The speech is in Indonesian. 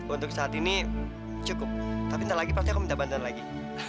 untuk saat ini cukup tapi ntar lagi pasti aku minta bantuan lagi